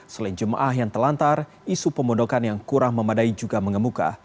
selain jemaah yang telantar isu pemondokan yang kurang memadai juga mengemuka